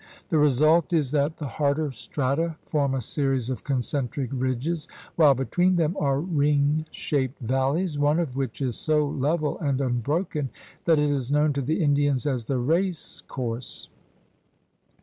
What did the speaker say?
The result is that the harder strata form a series of concentric ridges, while between them are ring shaped valleys, one of which is so level and unbroken that it is known to the Indians as the "race course."